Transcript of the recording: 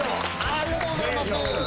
ありがとうございます。